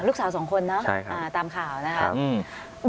ลูกสาวสองคนเนอะตามข่าวนะครับใช่ครับ